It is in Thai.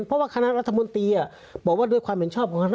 เพราะว่าคณะรัฐมนตรีบอกว่าด้วยความเห็นชอบของคณะ